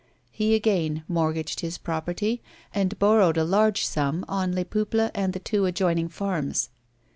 He again mortgaged his property, and borrowed a large sum on Les Peuples and the two adjoining farms.